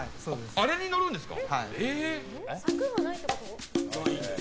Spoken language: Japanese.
あれに乗るんですか？